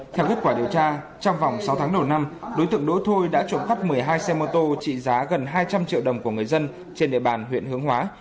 theo kết quả điều tra trong vòng sáu tháng đầu năm đối tượng đỗ thôi đã trộm khắp một mươi hai xe mô tô trị giá gần hai trăm linh triệu đồng của người dân trên địa bàn huyện hướng hóa